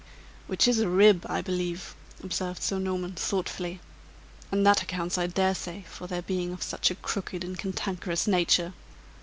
"Which is a rib, I believe," observed Sir Norman, thoughtfully. "And that accounts, I dare say, for their being of such a crooked and cantankerous nature.